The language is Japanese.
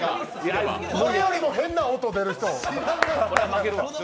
これよりも変な音が出る人。